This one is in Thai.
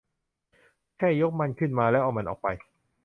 แค่ยกมันขึ้นมาแล้วเอามันออกไป